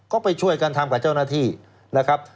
ก็ไปช่วยกันทำกับเจ้าหน้าที่นะครับ